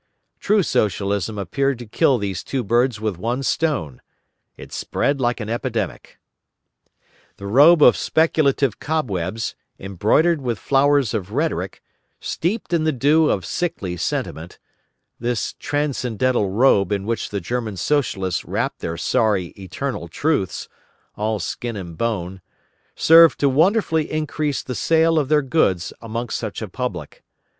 "True" Socialism appeared to kill these two birds with one stone. It spread like an epidemic. The robe of speculative cobwebs, embroidered with flowers of rhetoric, steeped in the dew of sickly sentiment, this transcendental robe in which the German Socialists wrapped their sorry "eternal truths," all skin and bone, served to wonderfully increase the sale of their goods amongst such a public.